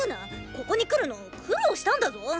ここに来るの苦労したんだぞ！